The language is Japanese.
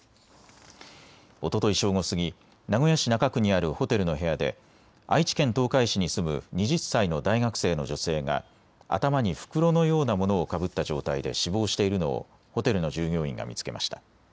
おととい正午過ぎ、名古屋市中区にあるホテルの部屋で愛知県東海市に住む２０歳の大学生の女性が頭に袋のようなものをかぶった状態で死亡しているのをホテルの従業員が見つけました。